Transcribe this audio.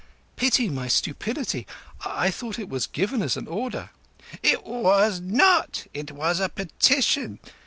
"Pity my stupidity. I thought it was given as an order—" "It was not. It was a petition.